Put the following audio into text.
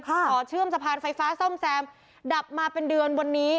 ขอเชื่อมสะพานไฟฟ้าซ่อมแซมดับมาเป็นเดือนวันนี้